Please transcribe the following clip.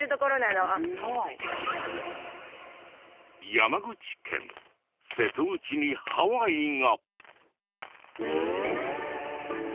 山口県瀬戸内にハワイが。